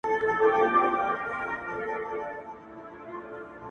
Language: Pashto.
نو ایله یې له کوټې څخه بهر کړ؛